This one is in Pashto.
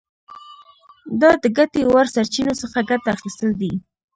دا د ګټې وړ سرچینو څخه ګټه اخیستل دي.